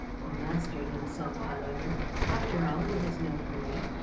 He mastered himself, however. After all, there was no hurry.